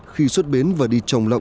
khi xuất bến và đi trồng lòng